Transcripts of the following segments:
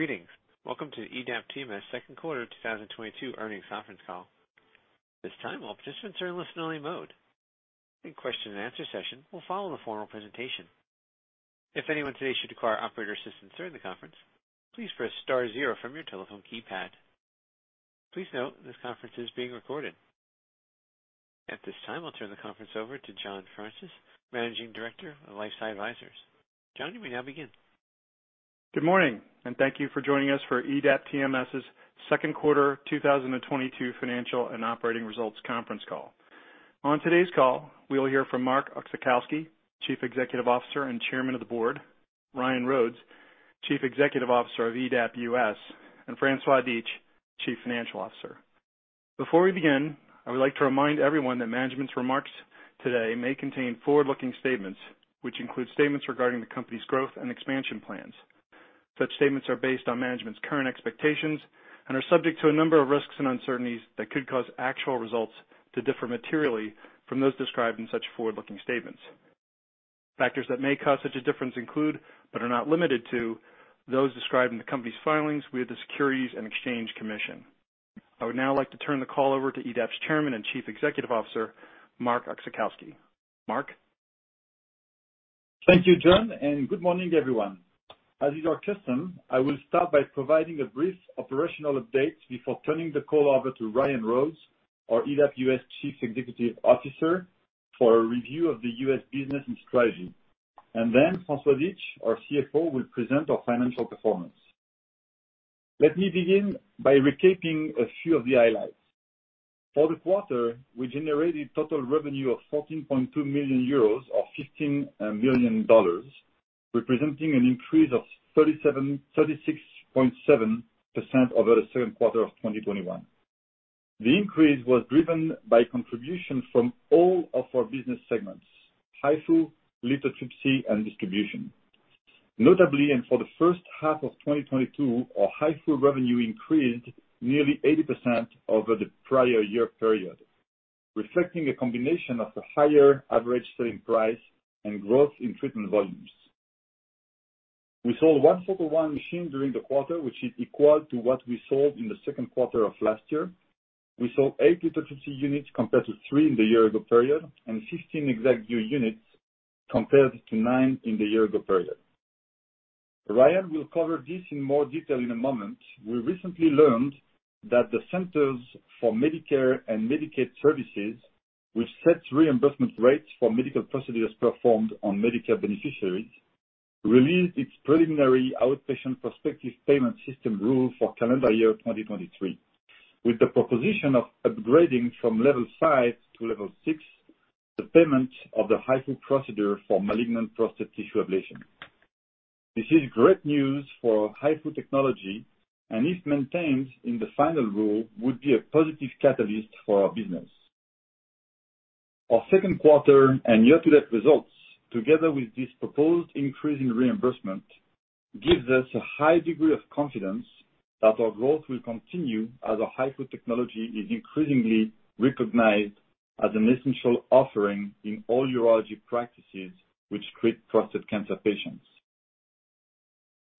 Greetings. Welcome to EDAP TMS Second Quarter 2022 Earnings Conference Call. This time, all participants are in listen only mode. A question and answer session will follow the formal presentation. If anyone today should require operator assistance during the conference, please press star zero from your telephone keypad. Please note this conference is being recorded. At this time, I'll turn the conference over to John Fraunces, Managing Director of LifeSci Advisors. John, you may now begin. Good morning, and thank you for joining us for EDAP TMS's 2nd quarter 2022 financial and operating results conference call. On today's call, we will hear from Marc Oczachowski, Chief Executive Officer and Chairman of the Board, Ryan Rhodes, Chief Executive Officer of EDAP U.S., and François Dietsch, Chief Financial Officer. Before we begin, I would like to remind everyone that management's remarks today may contain forward-looking statements, which include statements regarding the company's growth and expansion plans. Such statements are based on management's current expectations and are subject to a number of risks and uncertainties that could cause actual results to differ materially from those described in such forward-looking statements. Factors that may cause such a difference include, but are not limited to those described in the company's filings with the Securities and Exchange Commission. I would now like to turn the call over to EDAP's Chairman and Chief Executive Officer, Marc Oczachowski. Marc? Thank you, John, and good morning, everyone. As is our custom, I will start by providing a brief operational update before turning the call over to Ryan Rhodes, our EDAP U.S. Chief Executive Officer, for a review of the U.S. business and strategy. François Dietsch, our CFO, will present our financial performance. Let me begin by recapping a few of the highlights. For the quarter, we generated total revenue of 14.2 million euros, or $15 million, representing an increase of 36.7% over the 2nd quarter of 2021. The increase was driven by contributions from all of our business segments, HIFU, lithotripsy, and distribution. Notably, and for the 1st half of 2022, our HIFU revenue increased nearly 80% over the prior year period, reflecting a combination of a higher average selling price and growth in treatment volumes. We sold one Focal One machine during the quarter, which is equal to what we sold in the 2nd quarter of last year. We sold eight lithotripsy units compared to three in the year ago period, and 15 ExactVu units compared to nine in the year ago period. Ryan will cover this in more detail in a moment. We recently learned that the Centers for Medicare & Medicaid Services, which sets reimbursement rates for medical procedures performed on Medicare beneficiaries, released its preliminary outpatient prospective payment system rule for calendar year 2023, with the proposal of upgrading from level five to level six the payment of the HIFU procedure for malignant prostate tissue ablation. This is great news for HIFU technology, and if maintained in the final rule, would be a positive catalyst for our business. Our 2nd quarter and year-to-date results, together with this proposed increase in reimbursement, gives us a high degree of confidence that our growth will continue as our HIFU technology is increasingly recognized as an essential offering in all urology practices which treat prostate cancer patients.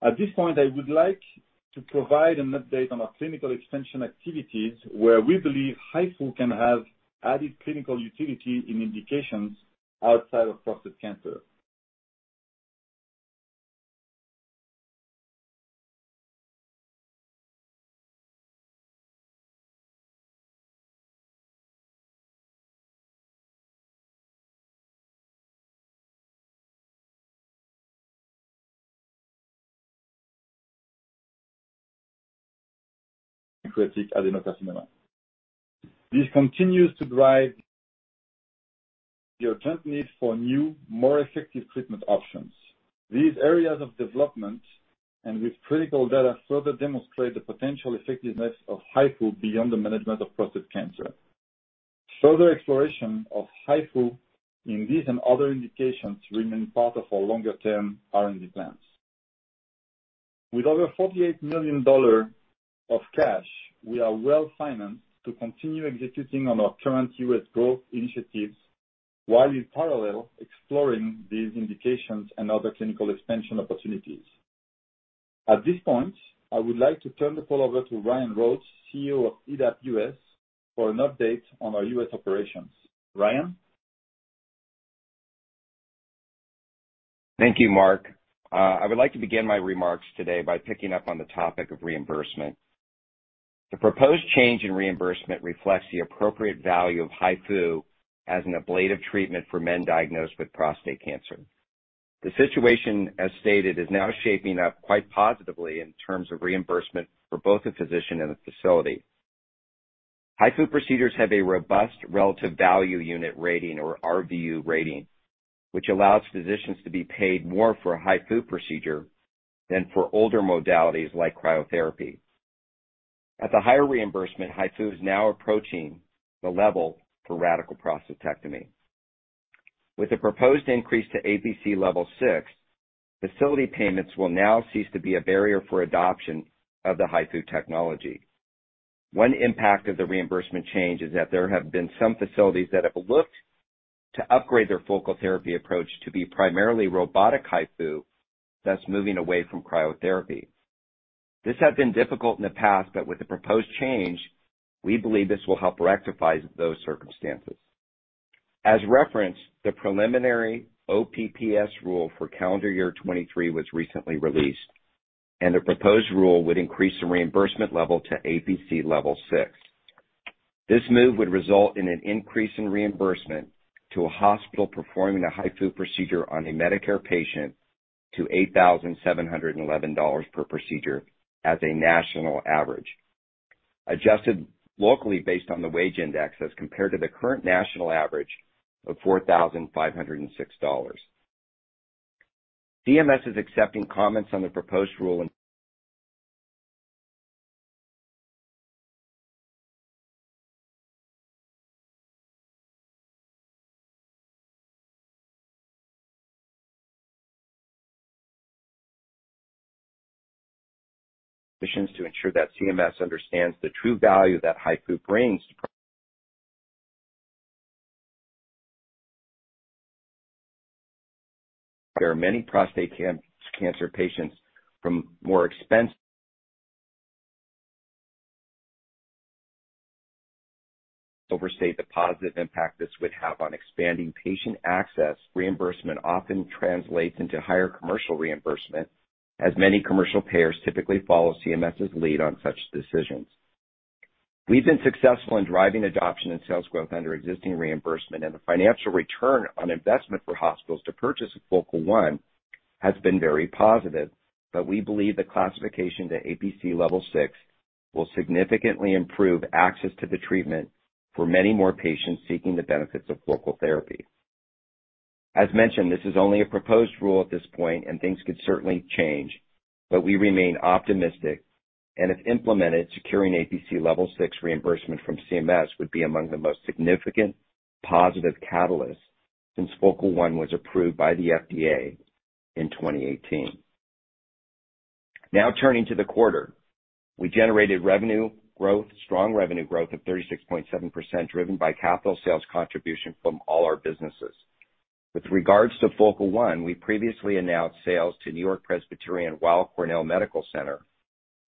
At this point, I would like to provide an update on our clinical expansion activities, where we believe HIFU can have added clinical utility in indications outside of prostate cancer. This continues to drive the urgent need for new, more effective treatment options. These areas of development, and with critical data, further demonstrate the potential effectiveness of HIFU beyond the management of prostate cancer. Further exploration of HIFU in these and other indications remain part of our longer-term R&D plans. With over $48 million of cash, we are well-financed to continue executing on our current U.S. growth initiatives while in parallel exploring these indications and other clinical expansion opportunities. At this point, I would like to turn the call over to Ryan Rhodes, CEO of EDAP U.S., for an update on our U.S. operations. Ryan? Thank you, Marc. I would like to begin my remarks today by picking up on the topic of reimbursement. The proposed change in reimbursement reflects the appropriate value of HIFU as an ablative treatment for men diagnosed with prostate cancer. The situation, as stated, is now shaping up quite positively in terms of reimbursement for both the physician and the facility. HIFU procedures have a robust relative value unit rating or RVU rating, which allows physicians to be paid more for a HIFU procedure than for older modalities like cryotherapy. At the higher reimbursement, HIFU is now approaching the level for radical prostatectomy. With the proposed increase to APC level six, facility payments will now cease to be a barrier for adoption of the HIFU technology. One impact of the reimbursement change is that there have been some facilities that have looked to upgrade their focal therapy approach to be primarily robotic HIFU, thus moving away from cryotherapy. This had been difficult in the past, but with the proposed change, we believe this will help rectify those circumstances. As referenced, the preliminary OPPS rule for calendar year 2023 was recently released, and the proposed rule would increase the reimbursement level to APC level six. This move would result in an increase in reimbursement to a hospital performing a HIFU procedure on a Medicare patient to $8,711 per procedure as a national average, adjusted locally based on the wage index as compared to the current national average of $4,506. CMS is accepting comments on the proposed rule in submissions to ensure that CMS understands the true value that HIFU brings to. There are many prostate cancer patients from more expense overstate the positive impact this would have on expanding patient access. Reimbursement often translates into higher commercial reimbursement, as many commercial payers typically follow CMS's lead on such decisions. We've been successful in driving adoption and sales growth under existing reimbursement, and the financial return on investment for hospitals to purchase Focal One has been very positive. We believe the classification to APC level six will significantly improve access to the treatment for many more patients seeking the benefits of focal therapy. As mentioned, this is only a proposed rule at this point, and things could certainly change. We remain optimistic, and if implemented, securing APC level six reimbursement from CMS would be among the most significant positive catalysts since Focal One was approved by the FDA in 2018. Now turning to the quarter. We generated strong revenue growth of 36.7%, driven by capital sales contribution from all our businesses. With regards to Focal One, we previously announced sales to NewYork-Presbyterian/Weill Cornell Medical Center,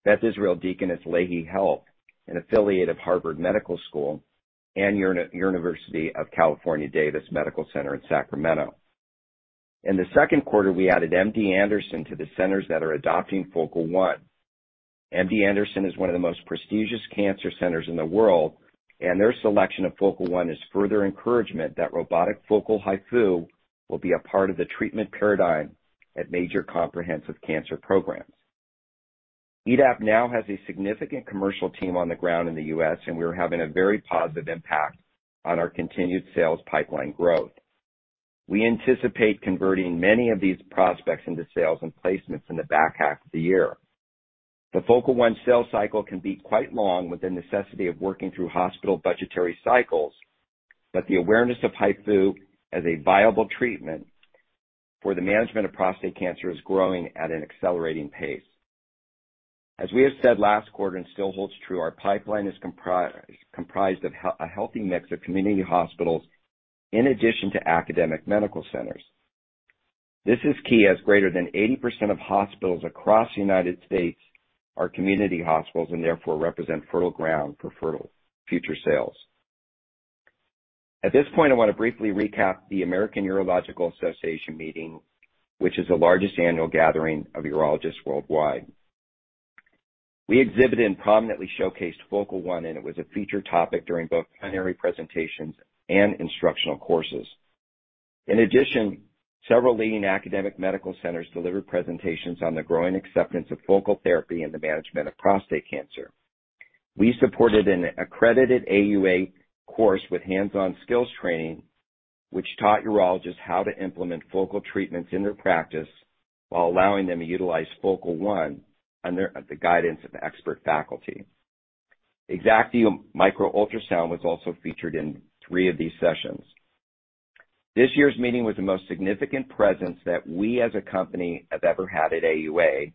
Beth Israel Lahey Health, an affiliate of Harvard Medical School, and University of California, Davis Medical Center in Sacramento. In the 2nd quarter, we added MD Anderson to the centers that are adopting Focal One. MD Anderson is one of the most prestigious cancer centers in the world, and their selection of Focal One is further encouragement that robotic focal HIFU will be a part of the treatment paradigm at major comprehensive cancer programs. EDAP now has a significant commercial team on the ground in the U.S., and we are having a very positive impact on our continued sales pipeline growth. We anticipate converting many of these prospects into sales and placements in the back half of the year. The Focal One sales cycle can be quite long with the necessity of working through hospital budgetary cycles, but the awareness of HIFU as a viable treatment for the management of prostate cancer is growing at an accelerating pace. As we have said last quarter and still holds true, our pipeline is comprised of a healthy mix of community hospitals in addition to academic medical centers. This is key, as greater than 80% of hospitals across the United States are community hospitals and therefore represent fertile ground for future sales. At this point, I want to briefly recap the American Urological Association meeting, which is the largest annual gathering of urologists worldwide. We exhibited and prominently showcased Focal One, and it was a featured topic during both plenary presentations and instructional courses. In addition, several leading academic medical centers delivered presentations on the growing acceptance of focal therapy in the management of prostate cancer. We supported an accredited AUA course with hands-on skills training, which taught urologists how to implement focal treatments in their practice while allowing them to utilize Focal One under the guidance of expert faculty. ExactVu Micro-Ultrasound was also featured in three of these sessions. This year's meeting was the most significant presence that we as a company have ever had at AUA,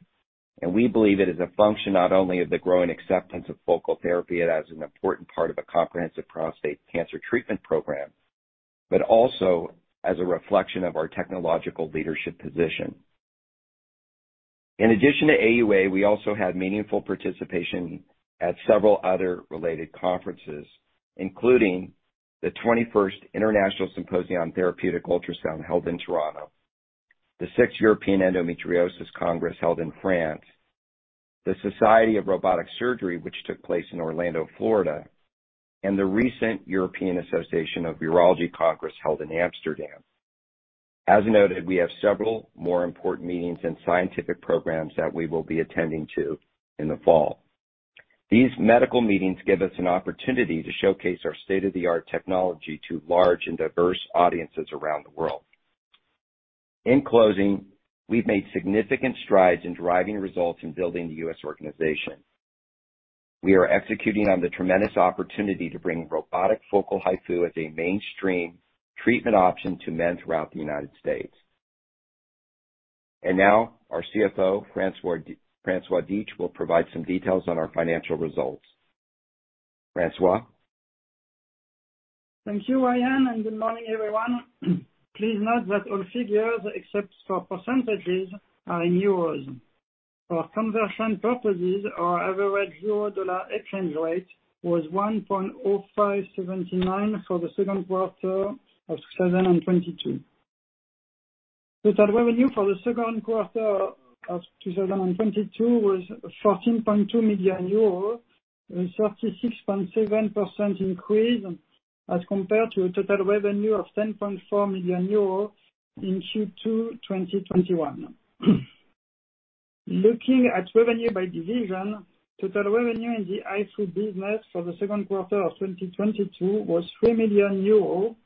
and we believe it is a function not only of the growing acceptance of focal therapy as an important part of a comprehensive prostate cancer treatment program, but also as a reflection of our technological leadership position. In addition to AUA, we also had meaningful participation at several other related conferences, including the 21st International Symposium on Therapeutic Ultrasound held in Toronto, the 6th European Endometriosis Congress held in France, the Society of Robotic Surgery, which took place in Orlando, Florida, and the recent European Association of Urology Congress held in Amsterdam. As noted, we have several more important meetings and scientific programs that we will be attending to in the fall. These medical meetings give us an opportunity to showcase our state-of-the-art technology to large and diverse audiences around the world. In closing, we've made significant strides in driving results and building the U.S. organization. We are executing on the tremendous opportunity to bring robotic focal HIFU as a mainstream treatment option to men throughout the United States. Now our CFO, François Dietsch will provide some details on our financial results. François? Thank you, Ryan, and good morning, everyone. Please note that all figures except for percentages are in euros. For conversion purposes, our average euro dollar exchange rate was 1.0579 for the 2nd quarter of 2022. Total revenue for the 2nd quarter of 2022 was 14.2 million euros, a 36.7% increase as compared to a total revenue of 10.4 million euros in Q2 2021. Looking at revenue by division, total revenue in the HIFU business for the 2nd quarter of 2022 was 3 million euro,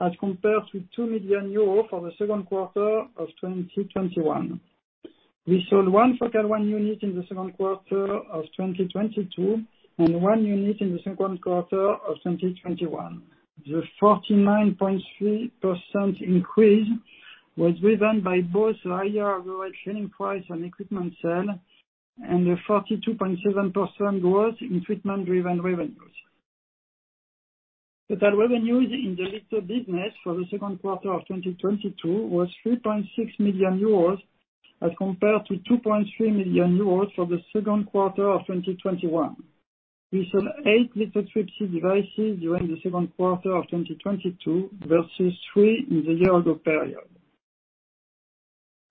as compared to 2 million euro for the 2nd quarter of 2021. We sold one Focal One unit in the 2nd quarter of 2022 and one unit in the 2nd quarter of 2021. The 49.3% increase was driven by both higher average selling price and equipment sale, and a 42.7% growth in treatment-driven revenues. Total revenues in the Litho business for the 2nd quarter of 2022 was 3.6 million euros, as compared to 2.3 million euros for the 2nd quarter of 2021. We sold eight lithotripsy devices during the 2nd quarter of 2022 versus three in the year ago period.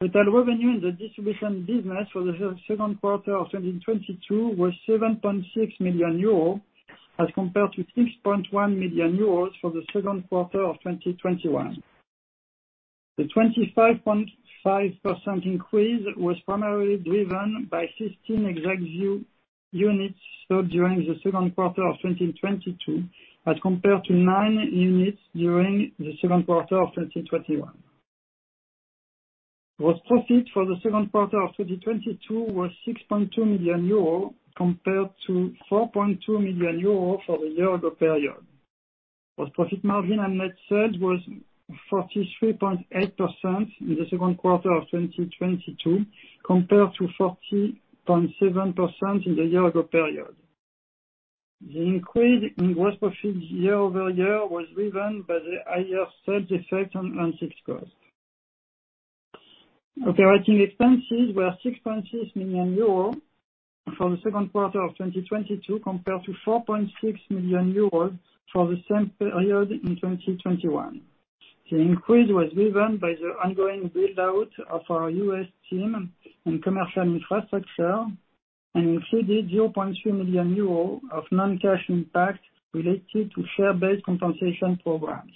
Total revenue in the distribution business for the 2nd quarter of 2022 was 7.6 million euros, as compared to 6.1 million euros for the 2nd quarter of 2021. The 25.5% increase was primarily driven by 16 ExactVu units sold during the 2nd quarter of 2022, as compared to nine units during the 2nd quarter of 2021. Gross profit for the 2nd quarter of 2022 was 6.2 million euro, compared to 4.2 million euro for the year-ago period. Gross profit margin on net sales was 43.8% in the 2nd quarter of 2022, compared to 40.7% in the year-ago period. The increase in gross profit year-over-year was driven by the higher sales effect on landed cost. Operating expenses were 6.6 million euros for the 2nd quarter of 2022, compared to 4.6 million euros for the same period in 2021. The increase was driven by the ongoing build-out of our U.S. team and commercial infrastructure and included 0.2 million euros of non-cash impact related to share-based compensation programs.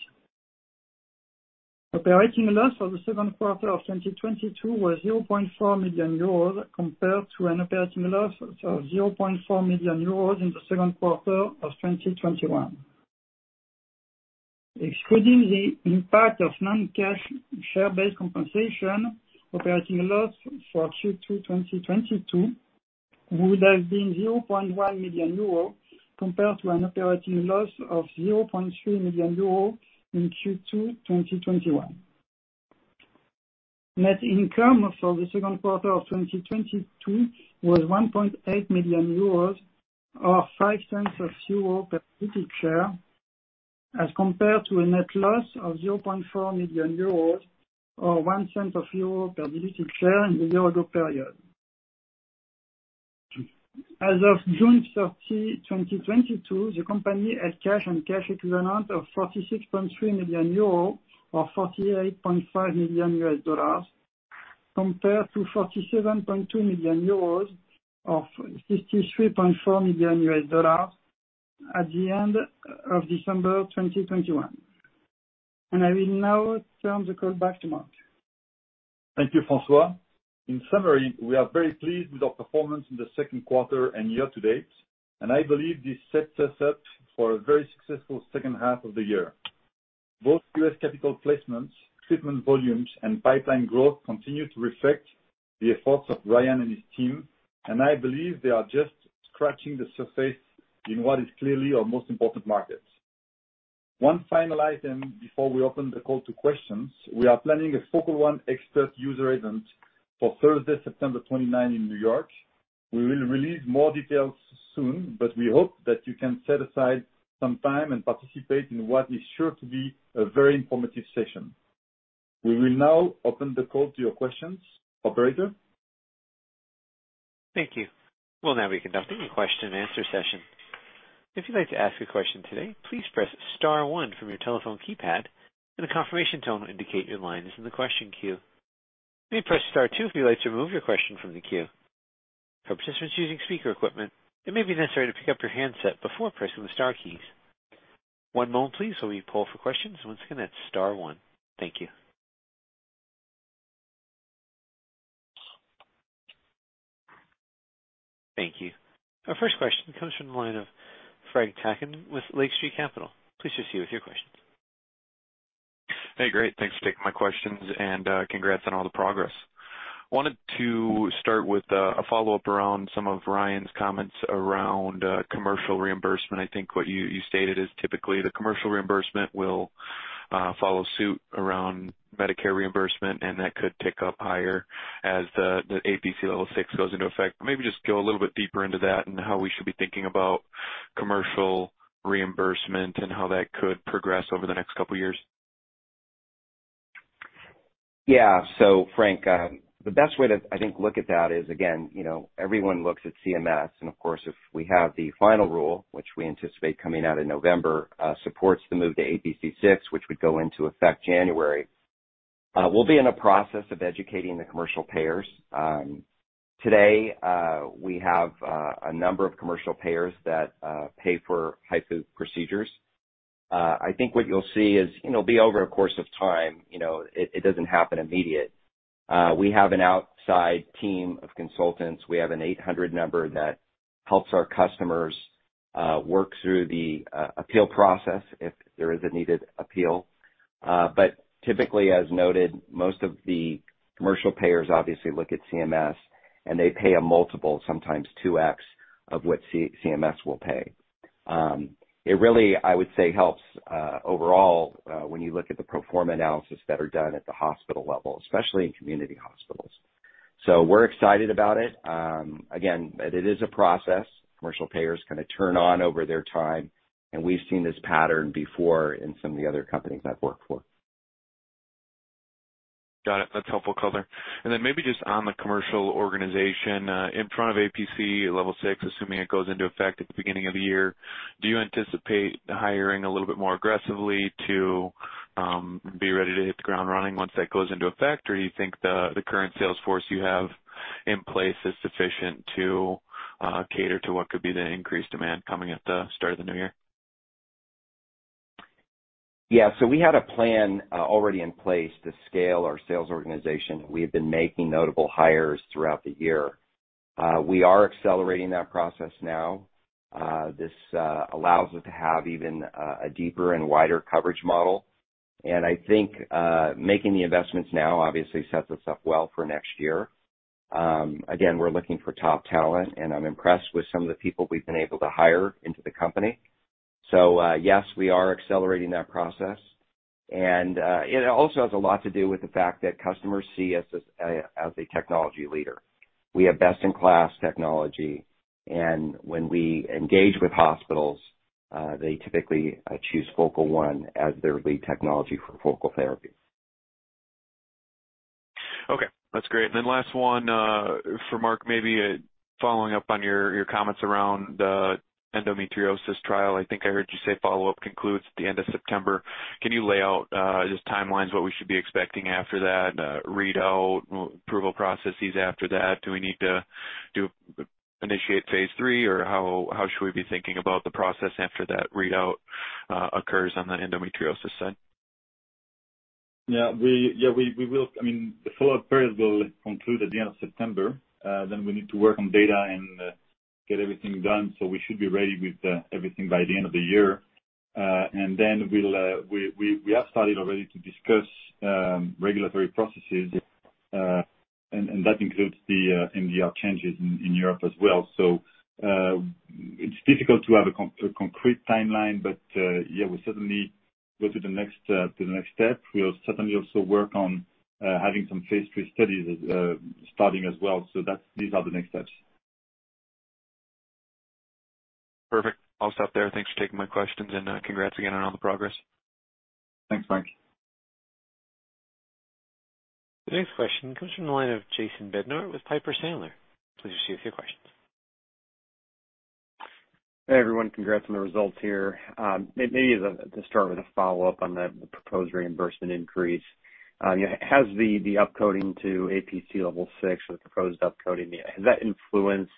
Operating loss for the 2nd quarter of 2022 was 0.4 million euros, compared to an operating loss of 0.4 million euros in the 2nd quarter of 2021. Excluding the impact of non-cash share-based compensation, operating loss for Q2 2022 would have been 0.1 million euro, compared to an operating loss of 0.3 million euro in Q2 2021. Net income for the 2nd quarter of 2022 was 1.8 million euros, or 0.05 per diluted share, as compared to a net loss of 0.4 million euros, or 0.01 per diluted share in the year ago period. As of June 30, 2022, the company had cash and cash equivalents of 46.3 million euro, or $48.5 million, compared to 47.2 million euros, or $63.4 million at the end of December 2021. I will now turn the call back to Marc. Thank you, François. In summary, we are very pleased with our performance in the 2nd quarter and year to date, and I believe this sets us up for a very successful 2nd half of the year. Both U.S. capital placements, treatment volumes, and pipeline growth continue to reflect the efforts of Ryan and his team, and I believe they are just scratching the surface in what is clearly our most important markets. One final item before we open the call to questions. We are planning a Focal One expert user event for Thursday, September 29 in New York. We will release more details soon, but we hope that you can set aside some time and participate in what is sure to be a very informative session. We will now open the call to your questions. Operator? Thank you. We'll now be conducting a question and answer session. If you'd like to ask a question today, please press star one from your telephone keypad, and a confirmation tone will indicate your line is in the question queue. You may press star two if you'd like to remove your question from the queue. For participants using speaker equipment, it may be necessary to pick up your handset before pressing the star keys. One moment please while we pull for questions. Once again, that's star one. Thank you. Thank you. Our 1st question comes from the line of Frank Takkinen with Lake Street Capital Markets. Please proceed with your question. Hey, great. Thanks for taking my questions and congrats on all the progress. Wanted to start with a follow-up around some of Ryan's comments around commercial reimbursement. I think what you stated is typically the commercial reimbursement will follow suit around Medicare reimbursement, and that could tick up higher as the APC level six goes into effect. Maybe just go a little bit deeper into that and how we should be thinking about commercial reimbursement and how that could progress over the next couple years. Frank, the best way to, I think, look at that is again, you know, everyone looks at CMS and of course, if we have the final rule, which we anticipate coming out in November, supports the move to APC6, which would go into effect January. We'll be in a process of educating the commercial payers. Today, we have a number of commercial payers that pay for HIFU procedures. I think what you'll see is, you know, it'll be over a course of time. You know, it doesn't happen immediately. We have an outside team of consultants. We have an 800 number that helps our customers work through the appeal process if there is a needed appeal. Typically, as noted, most of the commercial payers obviously look at CMS and they pay a multiple, sometimes 2x, of what CMS will pay. It really, I would say, helps overall when you look at the pro forma analysis that are done at the hospital level, especially in community hospitals. We're excited about it. Again, it is a process. Commercial payers kinda turn on over time, and we've seen this pattern before in some of the other companies I've worked for. Got it. That's helpful color. Maybe just on the commercial organization in front of APC level six, assuming it goes into effect at the beginning of the year, do you anticipate hiring a little bit more aggressively to be ready to hit the ground running once that goes into effect? Do you think the current sales force you have in place is sufficient to cater to what could be the increased demand coming at the start of the new year? Yeah. We had a plan already in place to scale our sales organization. We have been making notable hires throughout the year. We are accelerating that process now. This allows us to have even a deeper and wider coverage model. I think making the investments now obviously sets us up well for next year. Again, we're looking for top talent, and I'm impressed with some of the people we've been able to hire into the company. Yes, we are accelerating that process. It also has a lot to do with the fact that customers see us as a technology leader. We have best-in-class technology, and when we engage with hospitals, they typically choose Focal One as their lead technology for focal therapy. Okay, that's great. Last one for Marc, maybe, following up on your comments around endometriosis trial. I think I heard you say follow-up concludes at the end of September. Can you lay out just timelines what we should be expecting after that readout, approval processes after that? Do we need to initiate phase three, or how should we be thinking about the process after that readout occurs on the endometriosis side? Yeah, we will. I mean, the follow-up period will conclude at the end of September. We need to work on data and get everything done. We should be ready with everything by the end of the year. We have started already to discuss regulatory processes. That includes the MDR changes in Europe as well. It's difficult to have a concrete timeline, but yeah, we'll certainly go to the next step. We'll certainly also work on having some phase III studies starting as well. These are the next steps. Perfect. I'll stop there. Thanks for taking my questions and, congrats again on all the progress. Thanks, Frank. The next question comes from the line of Jason Bednar with Piper Sandler. Please proceed with your questions. Hey, everyone. Congrats on the results here. Maybe to start with a follow-up on the proposed reimbursement increase. You know, has the upcoding to APC level six or the proposed upcoding, has that influenced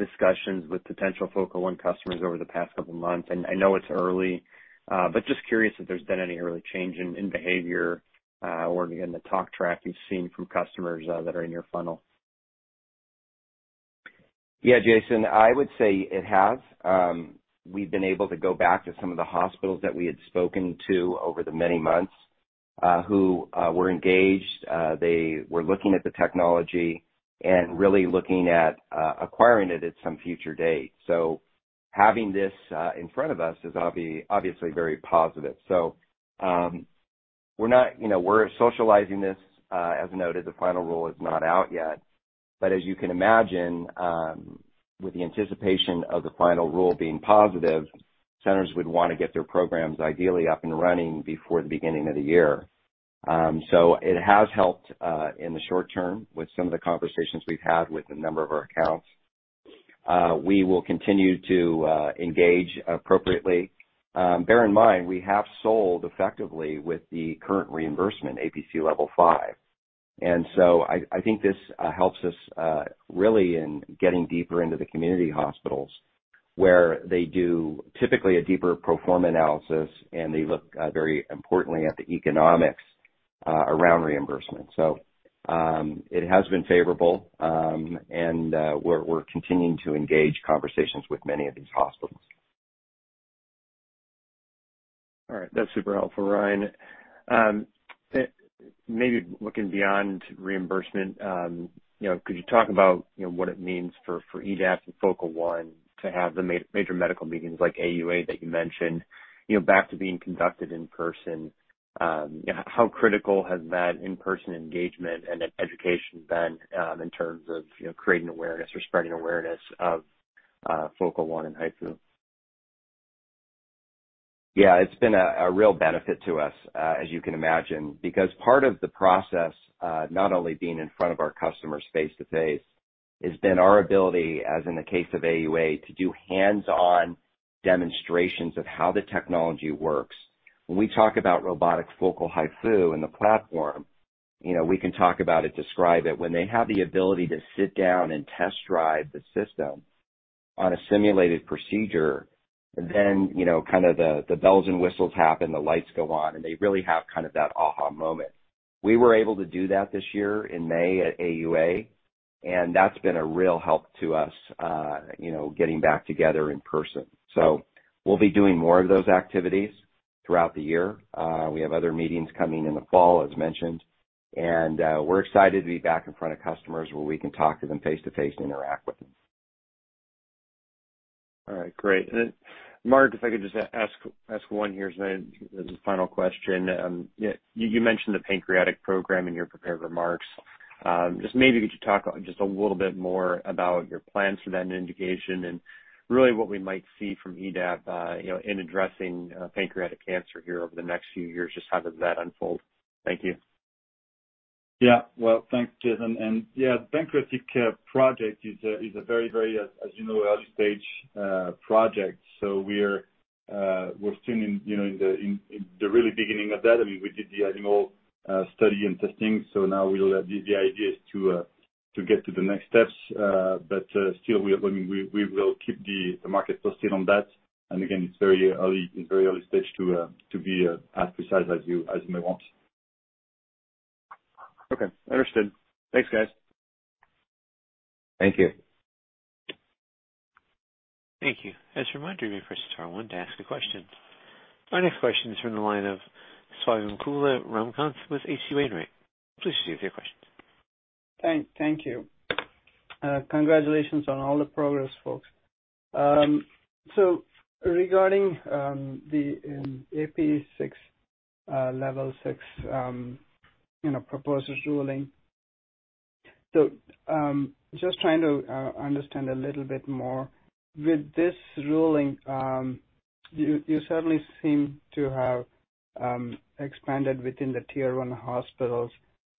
discussions with potential Focal One customers over the past couple of months? I know it's early, but just curious if there's been any early change in behavior, or again, the talk track you've seen from customers that are in your funnel. Yeah, Jason, I would say it has. We've been able to go back to some of the hospitals that we had spoken to over the many months, who were engaged. They were looking at the technology and really looking at acquiring it at some future date. Having this in front of us is obviously very positive. We're not, you know, we're socializing this, as noted, the final rule is not out yet. As you can imagine, with the anticipation of the final rule being positive, centers would want to get their programs ideally up and running before the beginning of the year. It has helped in the short term with some of the conversations we've had with a number of our accounts. We will continue to engage appropriately. Bear in mind, we have sold effectively with the current reimbursement APC level five. I think this helps us really in getting deeper into the community hospitals, where they do typically a deeper pro forma analysis, and they look very importantly at the economics around reimbursement. It has been favorable, and we're continuing to engage conversations with many of these hospitals. All right. That's super helpful, Ryan. Maybe looking beyond reimbursement, you know, could you talk about, you know, what it means for EDAP and Focal One to have the major medical meetings like AUA that you mentioned, you know, back to being conducted in person? How critical has that in-person engagement and education been, in terms of, you know, creating awareness or spreading awareness of Focal One and HIFU? Yeah, it's been a real benefit to us, as you can imagine, because part of the process, not only being in front of our customers face to face, has been our ability, as in the case of AUA, to do hands-on demonstrations of how the technology works. When we talk about robotic focal HIFU and the platform, you know, we can talk about it, describe it. When they have the ability to sit down and test drive the system on a simulated procedure, then, you know, kind of the bells and whistles happen, the lights go on, and they really have kind of that aha moment. We were able to do that this year in May at AUA, and that's been a real help to us, you know, getting back together in person. We'll be doing more of those activities throughout the year. We have other meetings coming in the fall, as mentioned, and we're excited to be back in front of customers where we can talk to them face to face and interact with them. All right, great. Then Marc, if I could just ask one here as a final question. You mentioned the pancreatic program in your prepared remarks. Just maybe could you talk just a little bit more about your plans for that indication and really what we might see from EDAP, you know, in addressing pancreatic cancer here over the next few years? Just how does that unfold? Thank you. Yeah. Well, thanks, Jason. Yeah, pancreatic project is a very, as you know, early-stage project. We're still in, you know, in the really beginning of that. I mean, we did the animal study and testing, so now the idea is to get to the next steps. Still, we will keep the market posted on that. Again, it's very early stage to be as precise as you may want. Okay, understood. Thanks, guys. Thank you. Thank you. As a reminder, you may press star one to ask a question. Our next question is from the line of Ramakanth Swayampakula with H.C. Wainwright & Co. Please proceed with your question. Thank you. Congratulations on all the progress, folks. Regarding the APC level six, you know, proposed ruling. Just trying to understand a little bit more. With this ruling, you certainly seem to have expanded within the tier one hospitals.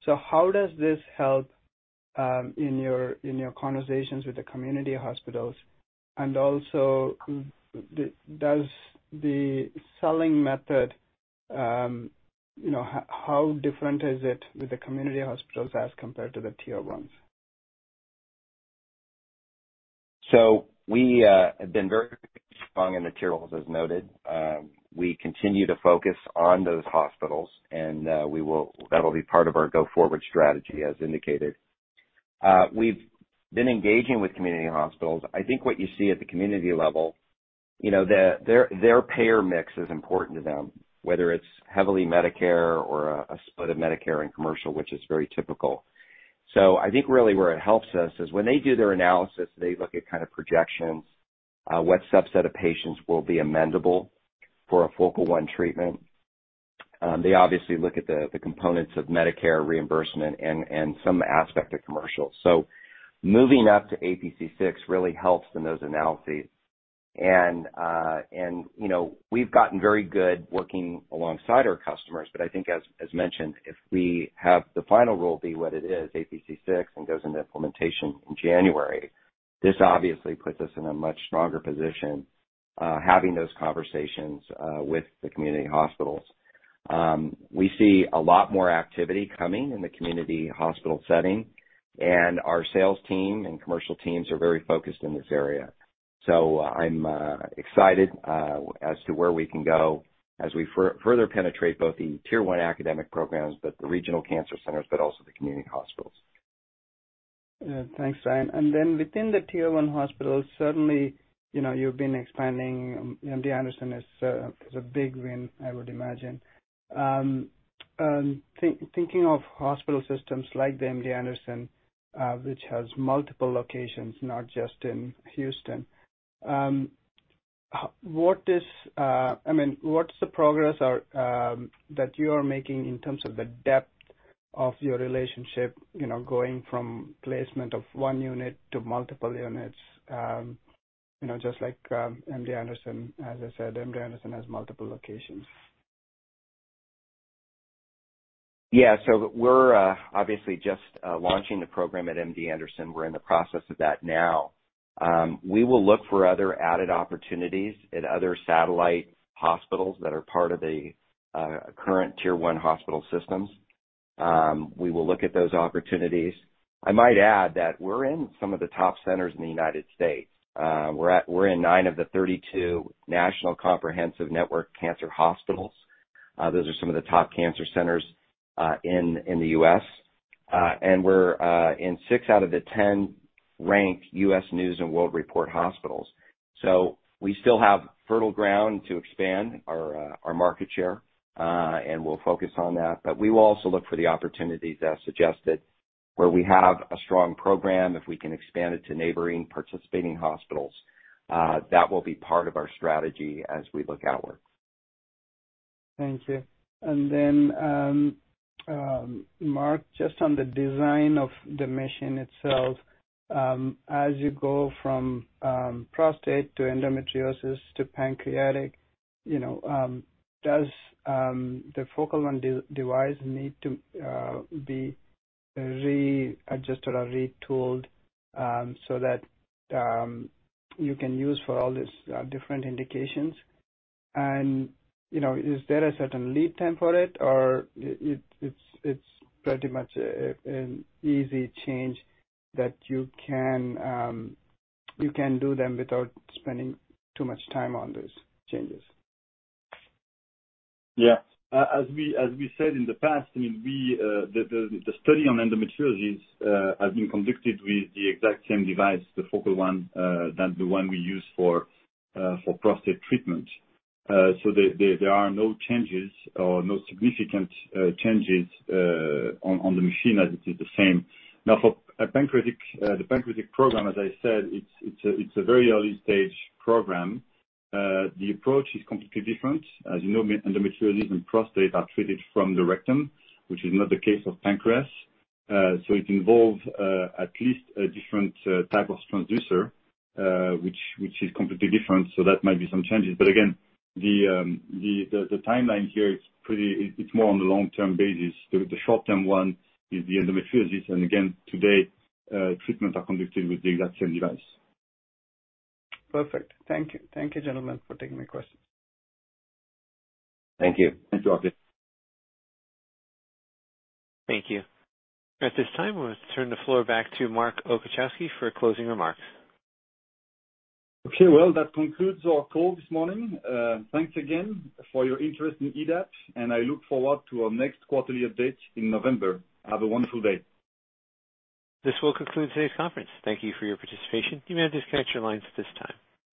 How does this help in your conversations with the community hospitals? And also does the selling method, you know, how different is it with the community hospitals as compared to the tier ones? We have been very strong in the tier ones as noted. We continue to focus on those hospitals, and that'll be part of our go forward strategy as indicated. We've been engaging with community hospitals. I think what you see at the community level, you know, their payer mix is important to them, whether it's heavily Medicare or a split of Medicare and commercial, which is very typical. I think really where it helps us is when they do their analysis, they look at kind of projections, what subset of patients will be amenable for a Focal One treatment. They obviously look at the components of Medicare reimbursement and some aspect of commercial. Moving up to APC6 really helps in those analyses. You know, we've gotten very good working alongside our customers, but I think as mentioned, if we have the final rule be what it is, APC6, and goes into implementation in January, this obviously puts us in a much stronger position, having those conversations with the community hospitals. We see a lot more activity coming in the community hospital setting, and our sales team and commercial teams are very focused in this area. I'm excited as to where we can go as we further penetrate both the tier one academic programs, but the regional cancer centers, also the community hospitals. Thanks, Ryan. Within the tier one hospitals, certainly, you know, you've been expanding. MD Anderson is a big win, I would imagine. Thinking of hospital systems like the MD Anderson, which has multiple locations, not just in Houston, what is, I mean, what's the progress or that you are making in terms of the depth of your relationship, you know, going from placement of one unit to multiple units, you know, just like MD Anderson, as I said, MD Anderson has multiple locations. Yeah. We're obviously just launching the program at MD Anderson. We're in the process of that now. We will look for other added opportunities at other satellite hospitals that are part of the current tier one hospital systems. We will look at those opportunities. I might add that we're in some of the top centers in the United States. We're in nine of the 32 National Comprehensive Cancer Network hospitals. Those are some of the top cancer centers in the U.S. We're in six out of the 10 ranked U.S. News & World Report hospitals. We still have fertile ground to expand our market share, and we'll focus on that. We will also look for the opportunities as suggested where we have a strong program, if we can expand it to neighboring participating hospitals, that will be part of our strategy as we look outward. Thank you. Marc, just on the design of the machine itself, as you go from prostate to endometriosis to pancreatic, you know, does the Focal One device need to be readjusted or retooled so that you can use for all these different indications? You know, is there a certain lead time for it or it's pretty much an easy change that you can do them without spending too much time on those changes? Yeah. As we said in the past, I mean, the study on endometriosis has been conducted with the exact same device, the Focal One, than the one we use for prostate treatment. So there are no changes or no significant changes on the machine as it is the same. Now, for the pancreatic program, as I said, it's a very early stage program. The approach is completely different. As you know, endometriosis and prostate are treated from the rectum, which is not the case of pancreas. So it involves at least a different type of transducer, which is completely different. So that might be some changes. But again, the timeline here, it's more on a long-term basis. The short-term one is the endometriosis. Again, today, treatments are conducted with the exact same device. Perfect. Thank you. Thank you, gentlemen, for taking my questions. Thank you. Thanks, Thank you. At this time, we'll turn the floor back to Marc Oczachowski for closing remarks. Okay. Well, that concludes our call this morning. Thanks again for your interest in EDAP, and I look forward to our next quarterly update in November. Have a wonderful day. This will conclude today's conference. Thank you for your participation. You may disconnect your lines at this time.